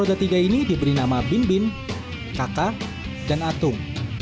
bajai tiga ini diberi nama bim bim kaka dan atung